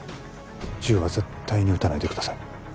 銃は絶対に撃たないでください